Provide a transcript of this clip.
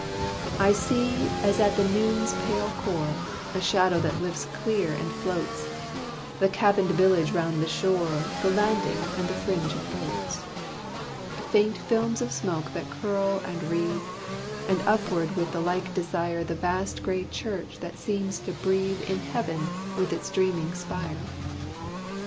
I see as at the noon's pale core A shadow that lifts clear and floats The cabin'd village round the shore, The landing and the fringe of boats; Faint films of smoke that curl and wreathe, And upward with the like desire The vast gray church that seems to breathe In heaven with its dreaming spire.